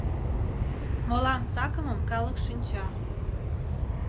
Молан сакымым калык шинча!